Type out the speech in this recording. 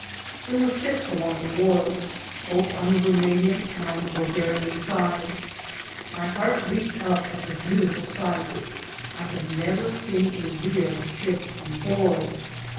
There were ships along the wharves, both on the Rumanian and on the Bul garian side. My heart leaped up at the beautiful sight. I had never seen a real ship before.